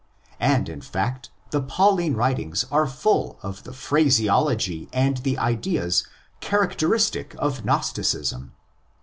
And, in fact, the Pauline writings are full of the phraseology and the ideas characteristic of Gnosticism.